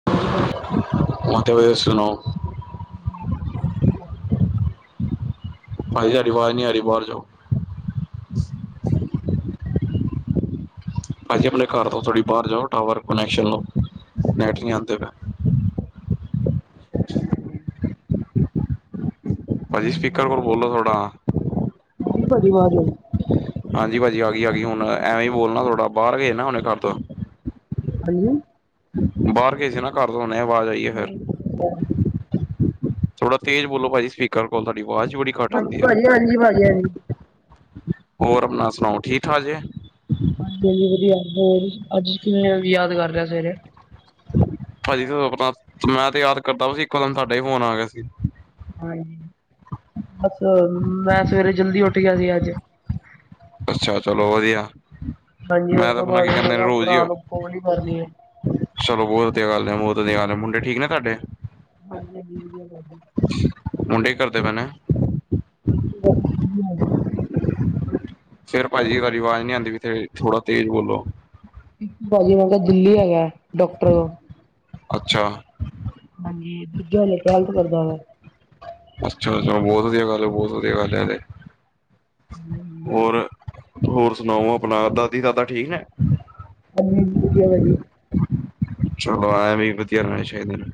[inaudible] [unintelligible] ਸੁਣਾਓ [inaudible] ਭਾਜੀੇ ਤੁਹਾਡੀ ਆਵਾਜ਼ ਨੀ ਆ ਰਹੀ ਬਾਹਰ ਜਾਓ। ਭਾੱਜੀ ਅਪਣੇ ਘਰ ਤੋਂ ਥੋੜੀ ਬਾਹਰ ਜਾਓ, ਟਾਵਰ ਕਨੈਕਸ਼ਨ ਲਓ, ਨੈਟ ਨਹੀ ਆਂਦੇ ਪਏ। [inaudible] ਭਾਜੀ ਸਪੀਕਰ ਕੋਲ ਬੋਲੋ ਥੋੜਾ। ਆ ਗੀ ਭਾਜੀ ਆਵਾਜ਼। ਹਾਂਜੀ ਭਾਜੀ ਆ ਗਈ, ਆ ਗਈ ਹੁਣ ਐਵੇਂ ਹੀ ਬੋਲਣਾ ਥੋੜਾ, ਬਾਹਰ ਗਏ ਨਾ ਹੁਣ ਘਰ ਤੋਂ। ਹਾਂਜੀ। ਬਾਹਰ ਗਏ ਸੀ ਨਾ ਘਰ ਤੋਂ ਹੁਣੇ, ਆਵਾਜ਼ ਆਈ ਏ ਫਿਰ। ਥੋੜਾ ਤੇਜ਼ ਬੋਲੋ ਭਾੱਜੀ ਸਪੀਕਰ ਕੋਲ, ਤੁਹਾਡੀ ਆਵਾਜ਼ ਬੜੀ ਘਟ ਹਾਂਜੀ ਆਂਦੀ ਏ। ਭਾਜੀ ਹਾਂਜੀ ਭਾਜੀ ਹਾਂਜੀ। ਹੋਰ ਅਪਣਾ ਸੁਣਾਓ ਠੀਕ ਠਾਕ ਜੇ? ਹਾਂਜੀ- ਹਾਂਜੀ ਵਧੀਆ, ਅੱਜ ਕਿਵੇਂ ਯਾਦ ਕਰ ਲਿਆ ਸਵੇਰੇ? ਭਾੱਜੀ ਅਪਣਾ, ਮੈਂ ਤੇ ਯਾਦ ਕਰਦਾ ਸੀ ਇੱਕੋ ਦਮ ਤੁਹਾਡਾ ਹੀ ਫੋਨ ਆ ਗਿਆ ਸੀ। ਹਾਂਜੀ, ਬਸ ਮੈਂ ਸਵੇਰੇ ਜਲਦੀ ਉੱਠ ਗਿਆ ਸੀ ਅੱਜ। ਅੱਛਾ, ਚਲੋ ਵਧੀਆ। ਹਾਂਜੀ ਉਸ ਮੈਂ ਤਾਂ ਤੋਂ ਆਪਣਾ ਬਾਦ ਕੀ ਮੈਂ ਕਹਿੰਦੇ ਨੇ ਕਿਹਾ, ਰੋਜ਼ ਹੀ ਭਰਾ ਨੂੰ ਫੋਨ ਈ ਕਰ ਲਈਏ। ਚਲੋ ਬਹੁਤ ਵਧੀਆ ਗੱਲ ਹੈ, ਬਹੁਤ ਵਧੀਆ ਗੱਲ ਹੈ। ਮੁੰਡੇ ਠੀਕ ਨੇ ਤੁਹਾਡੇ? ਹਾਂਜੀ- ਹਾਂਜੀ, ਵਧੀਆ ਭਾਣਜੀ। ਮੁੰਡੇ ਕੀ ਕਰਦੇ ਪਏ ਨੇ? [unintelligible] ਫੇਰ ਭਾੱਜੀ ਤੁਹਾਡੀ ਆਵਾਜ਼ ਨੀ ਆਂਦੀ ਪਈ ਥੋੜ੍ਹਾ ਤੇਜ਼ ਬੋਲੋ। ਭਾਜੀ ਮੈਂ ਕਿਹਾ, ਦਿੱਲੀ ਹੈਗਾ। ਡਾਕਟਰ। ਅੱਛਾ। ਹਾਂਜੀ, ਦੂਜਾ ਹਜੇ ਟੁਵੇਲਥ ਕਰਦਾ ਪੇਆ। ਅੱਛਾ, ਏ ਤੇ ਬਹੁਤ ਵਧੀਆ ਗੱਲ ਏ, ਬਹੁਤ ਵਧੀਆ ਗੱਲ ਏ, ਏਹ ਤੇ। ਕੀ ਹੈ। ਹੋਰ-ਹੋਰ, ਸੁਣਾਓ ਅਪਣਾ ਦਾਦੀ- ਦਾਦਾ ਠੀਕ ਨੇ? ਹਾਂਜੀ, ਠੀਕ ਏ ਭਾੱਜੀ। ਚਲੋ ਐਵੇਂ ਈ ਵਧੀਆ ਰਹਣੇ ਚਾਹੀਦੇ ਨੇ।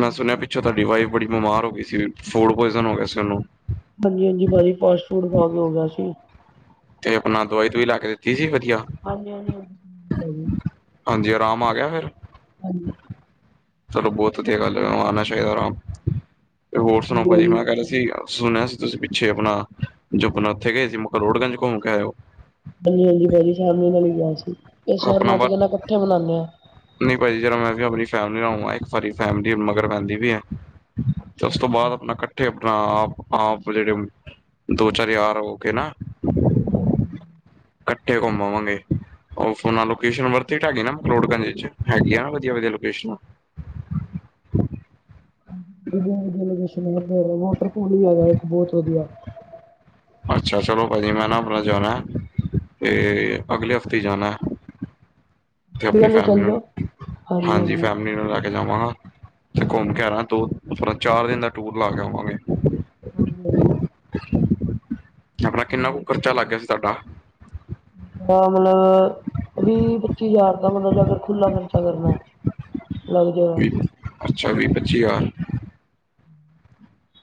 ਮੈਂ ਸੁਣਿਆ ਪਿੱਛੋਂ ਤੁਹਾਡੀ ਵਾਈਫ ਬੜੀ ਬਿਮਾਰ ਹੋ ਗਈ ਸੀ। ਫੂਡ ਪੁਇਜ਼ਨ ਹੋ ਗਿਆ ਸੀ ਉਹਨੂੰ। ਹਾਂਜੀ- ਹਾਂਜੀ ਭਾੱਜੀ, ਫਾਸਟ ਫੂਡ ਖਾ ਕੇ ਹੋ ਗਿਆ ਸੀ। ਤੇ ਅਪਣਾ ਦਵਾਈ- ਦੁਵਾਈ ਲੈ ਕੇ ਦਿੱਤੀ ਸੀ ਵਧੀਆ। ਹਾਂਜੀ -ਹਾਂਜੀ, ਭਾਜੀ। ਹਾਂਜੀ ਅਰਾਮ ਆ ਗਿਆ ਫੇਰ। ਹਾਂਜੀ। ਚਲੋ ਬਹੁਤ ਵਧੀਆ ਗੱਲ ਏ ਆਨਾ ਚਾਹੀਦਾ ਅਰਾਮ ਤੇ ਹੋਰ ਸੁਣਾਓ ਹਾਂਜੀ ਭਾੱਜੀ ਭਾਜੀ, ਮੈਂ ਕਹ ਰਿਹਾ ਸੀ। ਸੁਨਿਆ ਸੀ ਤੁਸੀਂ ਪਿੱਛੇ ਅਪਨਾ ਜੋ ਅਪਨਾ ਉੱਥੇ ਗਏ ਸੀ ਮਕਰੋੜਗੰਜ ਘੁੰਮ ਕੇ ਆਏ ਹੋ। ਹਾਂਜੀ ਹਾਂਜੀ ਭਾਜੀ ਫੈਮਲੀ ਨਾਲ ਹੀ ਗਿਆ ਸੀ। ਇਸ ਵਾਰ ਮੈਂ ਤੇ ਕਿਹਾ ਇਕੱਠੇ ਮਨਾਨੇ ਆ। ਨਹੀ ਭਾਜੀ ਜ਼ਰਾ ਮੈਂ ਵੀ ਅਪਣੀ ਫੈਮਿਲੀ ਨਾਲ ਹੋ ਆਵਾਂ ਇੱਕ ਵਾਰੀ ਫੈਮਿਲੀ ਮਗਰ ਪੈਂਦੀ ਪਈ ਏ। ਤੇ ਉਸ ਅੱਛਾ ਤੋਂ ਬਾਦ ਅੱਛਾ। ਅਪਨਾ ਕ ਉਥੇ ਅਪਣਾ ਆਪ ਆਪ ਜਿਹੜੇ ਦੋ ਚਾਰ ਯਾਰ ਹੋ ਕੇ ਨਾ ਹਾਂਜੀ। ਕੱਠੇ ਘੁੰਮ ਆਵਾਂਗੇ। ਉਹ ਫੇਰ ਲੋਕੇਸ਼ਨ ਵਰਥਇਟ ਹੇਗੀ ਨਾ ਮਕਲੋੜਗੰਜ ਇਚ ਹੈਗੀ ਨਾ ਵਧੀਆ ਵਧੀਆ ਲੋਕੇਸ਼ਨਾ। ਵਧੀਆ ਵਧੀਆ ਲੋਕੇਸ਼ਨ ਨੇ ਵਾਟਰਪੂਲ ਵੀ ਹੈਗਾ ਏਕ ਬਹੁਤ ਵਧੀਆ। ਅੱਛਾ ਚਲੋ ਭਾਜੀ ਮੈਂ ਨਾ ਅਪਨਾ ਜਾਨਾ ਤੇ ਅਗਲੇ ਹਫ਼ਤੇ ਹੀ ਜਾਨਾ। ਤੇ ਅਪਨੀ ਹੀ ਫੈਮਲੀ ਚੱਲ ਨਾਲ ਜਾਓ, ਹਾਂਜੀ ਫੈਮਿਲੀ ਨਾਲ ਮੈਂ ਜਾਵਾਂਗਾ ਤੇ ਘੁੰਮ ਕੇ ਆਨਾ ਦੋ ਚਾਰ ਦਿਨ ਦਾ ਟੂਰ ਲਾ ਕੇ ਆਵਾਂਗੇ। ਹਾਂਜੀ। ਅਪਣਾ ਕਿੰਨਾ ਕੁ ਕਰਚਾ ਲੱਗ ਗਿਆ ਸੀ ਤਾਡਾ? ਇਹ ਮਲਬ ਵੀਹ ਪੱਚੀ ਹਜ਼ਾਰ ਦਾ ਮਤਲਬ ਜੇ ਅਗਰ ਖੁਲਾ ਖਰਚਾ ਕਰਨਾ। ਲੱਗ ਜਾਏਗਾ। ਵੀ ਅੱਛਾ ਵੀਹ ਪੱਚੀ ਹਜ਼ਾਰ।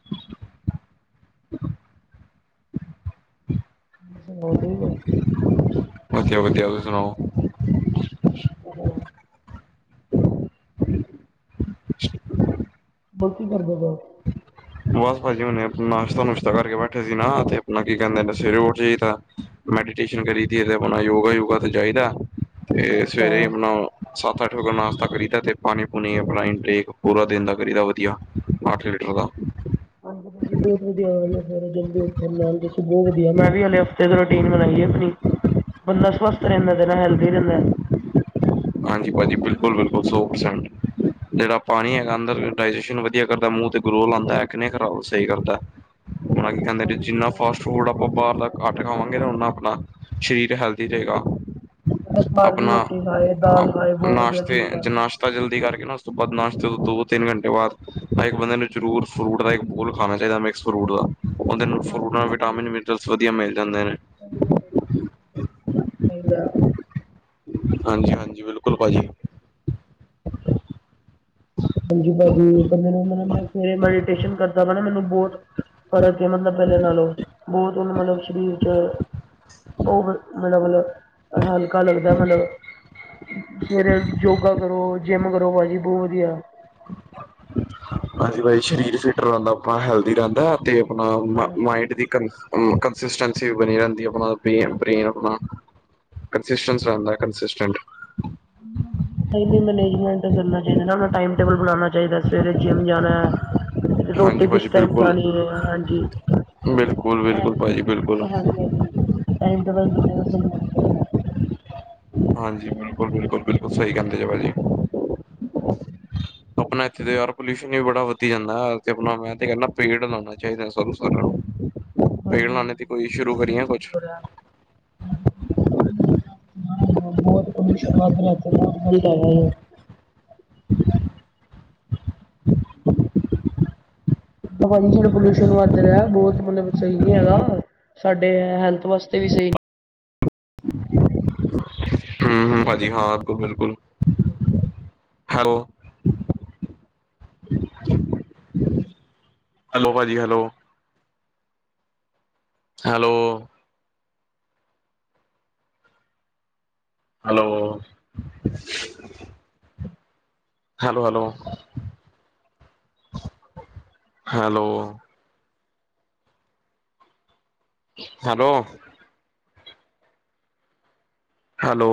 [unintelligible] [unintelligible] ਸੁਣੋ ਠੀਕ ਆ। [unintelligible] ਵਧੀਆ-ਵਧੀਆ ਤੁਸੀ ਸੁਣਾਓ? [unintelligible] [unintelligible] ਹੋਰ ਕੀ ਕਰਦੇ ਪਏ ਓ? ਬਸ ਭਾਜੀ ਹੁਨੇ ਅਪਨਾ ਨਾਸ਼ਤਾ ਨੁਸ਼ਤਾ ਕਰਕੇ ਬੈਠੇ ਸੀ ਨਾ ਤੇ ਅਪਨਾ ਕੀ ਕੈਂਹਦੇ ਨੇ ਸਵੇਰੇ ਉੱਠ ਜਾਈਦਾ। ਮੈਡੀਟੇਸ਼ਨ ਕਰੀਦੀ ਐ ਤੇ ਅਪਨਾ ਯੋਗਾ ਯੁਗਾ ਤੇ ਜਾਈਦੈ ਤੇ ਅੱਛਾ। ਸਵੇਰੇ ਅਪਨਾ ਸੱਤ ਅੱਠ ਵਜ ਨਾਸ਼ਤਾ ਕਰੀਦਾ ਤੇ ਪਾਨੀ ਪੂਨੀ ਅਪਣਾ ਇੰਨਟੇਕ ਪੂਰਾ ਦਿਨ ਦਾ ਕਰੀਦਾ ਵਧੀਆ। ਅਠ ਲੀਟਰ ਦਾ। ਹਾਂਜੀ-ਹਾਜੀ ਬੋਤ ਵਧੀਆ ਗਲ ਐ ਸਵੇਰੇ ਜਲਦੀ ੳਠ ਨਾਲ ਤੁਸੀਂ ਬੋ ਵਧੀਆ ਮੈਂ ਵੀ ਹਲੇ ਹਫ਼ਤੇ ਤੋਂ ਰੂਟੀਨ ਬਨਾਈ ਐ ਅਪਨੀ ਬੰਦਾ ਸਵਸਥ ਰੈਂਦਾ ਤੇ ਨਾਲ ਹੈਲਦੀ ਰੈਂਦਾ। ਹਾਂਜੀ ਭਾਜੀ ਬਿਲਕੁੱਲ-ਬਿਲਕੁੱਲ ਸੌ ਪ੍ਰਸੈਂਟ। ਜੇੜਾ ਪਾਣੀ ਹੈਗਾ ਅੰਦਰ ਡਾਈਜੇਸ਼ਨ ਵਧੀਆ ਕਰਦਾ ਮੂੰਹ ਤੇ ਗਲੋ ਲਾਂਦਾ ਕਿਨੇ ਖਰਾਬ ਸਈ ਕਰਦਾ। ਹਾਂ ਕੈਂਹਦੇ ਜਿੰਨਾ ਫਾਸਟ ਫੂਡ ਆਪਾਂ ਬਾਰ ਦਾ ਘਟ ਹਾਂਜੀ ਖਾਵਾਂਗੇ ਓਨਾ ਅਪਣਾ ਸਰੀਰ ਹੈਲਦੀ ਰਹੇਗਾ। ਓ ਬਾਰ ਦੀ ਆਪਣਾ ਰੋਟੀ [unintelligible] ਦਾਲ ਖਾਏ ਬਹੁਤ ਵਧੀਆ ਨਾਸ਼ਤੇ ਚੀਜ਼ ਆ। ਨਾਸ਼ਤਾ ਜਲਦੀ ਕਰਕੇ ਨਾ ਉਸ ਤੋਂ ਬਾਦ ਨਾਸ਼ਤੇ ਤੋਂ ਦੋੋ ਤਿੰਨ ਘੰਟੇ ਬਾਦ। ਤਾਂ ਇੱਕ ਬੰਦੇ ਨੂੰ ਜ਼ਰੂਰ ਫਰੂਟ ਦਾ ਇੱਕ ਬੋਲ ਖਾਨਾ ਚਾਹੀਦਾ ਮਿਕਸ ਫਰੂਟ ਦਾ। ਓਦੇ ਨਾਲ ਫਰੂਟ ਹਾਂਜੀ ਨਾਲ ਹਾਂਜੀ ਵਿਟਾਮਿਨ ਮਿਨਰਲ ਵਧੀਆ ਮਿਲ ਜਾਂਦੇ ਨੇ। ਸਹੀ ਗੱਲ [unintelligible] [unintelligible] ਹਾਂਜੀ-ਹਾਂਜੀ ਬਿਲਕੁੱਲ ਭਾਜੀ। [unintelligible] [unintelligible] ਹਾਂਜੀ ਭਾਜੀ [unintelligible] ਕਰਦਾ ਮੈਨੂੰ ਬੋਤ [unintelligible] ਫਰਕ ਐ ਮਤਲਬ ਪੈਲੇ ਨਾਲੋਂ ਬੋਤ ਓਨੂੰ ਮਤਲਬ ਸ਼ਰੀਰ ਚ [unintelligible] [unintelligible] ਹਲਕਾ ਲੱਗਦਾ ਮਤਲਬ ਸਵੇਰੇ ਯੋਗਾ ਕਰੋ ਜਿੰਮ ਕਰੋ ਭਾਜੀ ਬੋਤ ਵਧੀਆ। ਹਾਂਜੀ ਭਾਜੀ ਸਰੀਰ ਫਿਟ ਰੈਂਦਾ ਆਪਾਂ ਹੈਲਦੀ ਰੈਂਦਾ ਤੇ ਆਪਣਾ ਮ ਮਾਇੰਡ ਦੀ ਕੰਸਿਸਟੈਂਸੀ ਵੀ, ਬਣੀ ਰੈਂਦੀ। ਆਪਣਾ ਬੇਨ ਬ੍ਰੇਨ ਆਪਣਾ ਕਨਸੀਸਟੈਂਸ ਰੇਦਾ ਕੰਸਿਸਟੈਂਟ। [unintelligible] ਨਈ-ਨਈ ਮੈਨੇਜਮੈਂਟ ਕਰਨਾ ਚਾਈਦਾ [unintelligible] ਟੇਬਲ ਬਣਾਣਾ ਚਾਹੀਦਾ ਸਵੇਰੇ ਜਿੰਮ ਜਾਣਾ। ਹੈ, ਹਾਂਜੀ ਰੋਟੀ ਕਿਸ ਟਾਈਮ ਖਾਣੀ ਐ ਹਾਂਜੀ। ਬਿਲਕੁਲ-ਬਿਲਕੁਲ ਹਾਂਜੀ ਭਾਜੀ ਬਿਲਕੁਲ। ਹਾਂਜੀ ਟਾਈਮ ਟੇਬਲ ਦੀਨੇ ਦਾ, ਸਈ ਹੋਣਾ ਚਾਈਦਾ। ਹਾਂਜੀ ਬਿਲਕੁੱਲ-ਬਿਲਕੁੱਲ-ਬਿਲਕੁੱਲ ਸਈ ਕੈਂਦੇ ਜ ਭਾਜੀ। [unintelligible] ਆਪਣਾ ਇੱਥੇ ਤੇ ਯਾਰ ਪੋਲਿਊਸ਼ਨ ਯੂ ਬੜਾ ਵੱਧੀਆ ਜਾਂਦਾ ਆਪਣਾ ਮੈਂ ਤੇ ਕੈਨਾ ਪੇੜ ਲਾਣਾ ਚਾਹੀਦਾ ਸਾਰਿਆਂ ਨੂੰ। ਪੇੜ ਹਾਂਜੀ [unintelligible] ਦੀ ਹਾਂਜੀ ਕੋਈ ਸ਼ੁਰੂ ਪੋਲਿਊਸ਼ਨ ਤਾਂ ਕਰੀਏ ਕੁੱਛ ਬਹੁਤ ਹੋ ਰਿਹਾ। ਹਾਂਜੀ ਬੋਤ ਪੋਲਿਊਸ਼ਨ ਵੱਧ ਰਿਆ [unintelligible] [unintelligible] ਭਾਜੀ ਜੇੜਾ ਪੋਲਿਊਸ਼ਨ ਵੱਧ ਰਿਆ ਬੋਤ ਮਤਲਬ ਸਈ ਨੀ ਹੈਗਾ। ਸਾਡੇ ਹੈਲਥ ਵਾਸਤੇ ਵੀ, ਸਈ ਹੂੰ ਹੂੰ ਭਾਜੀ ਹਾਂ ਬਿਲਕੁੱਲ-ਬਿਲਕੁੱਲ ਹੈਲੋ। ਜ ਹੈਲੋ, ਭਾਜੀ hello hello, hello, hello hello hello hello, hello,